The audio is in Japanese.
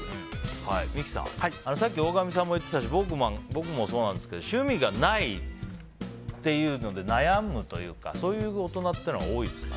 三木さん、さっき大神さんも言ってたし僕もそうなんですけど趣味がないっていうので悩むというかそういう大人って多いですか？